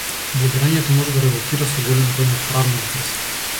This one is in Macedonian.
Блогирањето може да резултира со голем број на правни обврски.